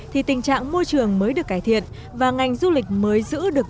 thì tình trạng môi trường mới được cải thiện và ngành du lịch mới giữ được